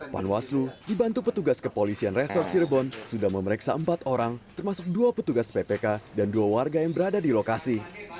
panwaslu dibantu petugas kepolisian resort cirebon sudah memeriksa empat orang termasuk dua petugas ppk dan dua warga yang berada di lokasi